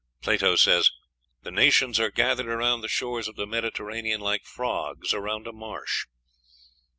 Plato says, "the nations are gathered around the shores of the Mediterranean like frogs around a marsh."